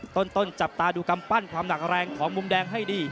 ต้นจับตาดูกำปั้นความหนักแรงของมุมแดงให้ดี